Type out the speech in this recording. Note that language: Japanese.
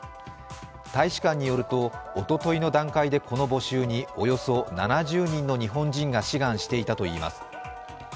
大使館によると、おとといの段階でこの募集におよそ７０人の日本人が志願していたといいます。